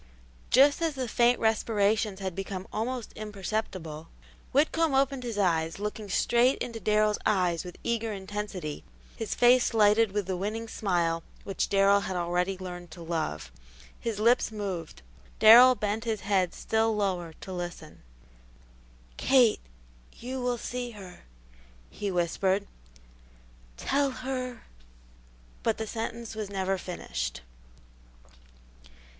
Just as the faint respirations had become almost imperceptible, Whitcomb opened his eyes, looking straight into Darrell's eyes with eager intensity, his face lighted with the winning smile which Darrell had already learned to love. His lips moved; Darrell bent his head still lower to listen. "Kate, you will see her," he whispered. "Tell her " but the sentence was never finished.